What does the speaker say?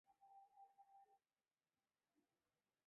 松本零士妻子是漫画家牧美也子。